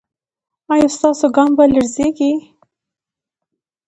ایا ستاسو ګام به لړزیږي؟